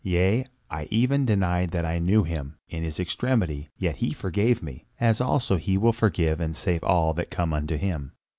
Yea, I even denied that I knew him, in his extremity; yet he forgave me, as also he will forgive and save all that come unto him."